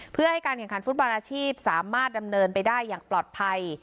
เพื่อให้การแข่งขันฟุตบอลอาชีพสามารถดำเนินไปได้อย่างปลอดภัย